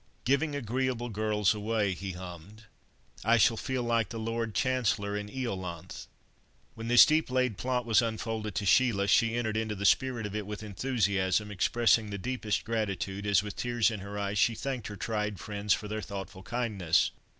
"'Giving agreeable girls away,'" he hummed—"I shall feel like the Lord Chancellor in Iolanthe." When this deep laid plot was unfolded to Sheila, she entered into the spirit of it with enthusiasm, expressing the deepest gratitude, as with tears in her eyes, she thanked her tried friends for their thoughtful kindness.